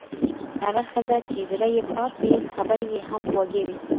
هغه ښځه چې زړه يې پاک وي، خبرې يې هم خوږې وي.